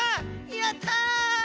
やった！